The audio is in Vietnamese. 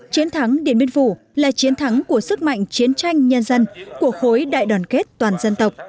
chiến thắng điện biên phủ là chiến thắng của sức mạnh chiến tranh nhân dân của khối đại đoàn kết toàn dân tộc